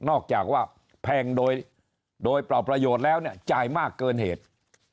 อกจากว่าแพงโดยเปล่าประโยชน์แล้วเนี่ยจ่ายมากเกินเหตุ